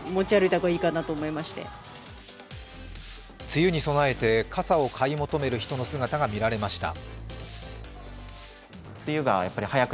梅雨に備えて傘を買い求める人の姿が見られました。